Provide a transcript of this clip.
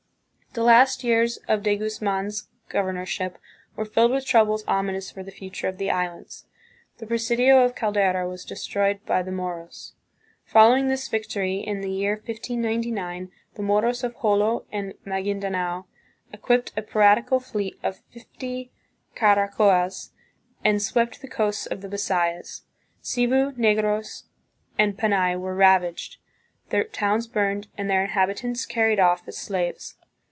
The last years of De Guz man's governorship were filled with troubles ominous for the future of the Islands. The presidio of Caldera was destroyed by the Moros. Following this victory, in the year 1599, the Moros of Jolo and Magindanao equipped a piratical fleet of fifty caracoas, and swept the coasts of the Bisayas. Cebu, Negros, and Panay were ravaged, their towns burned, and their inhabitants carried off as slaves.